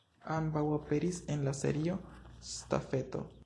Ambaŭ aperis en la Serio Stafeto.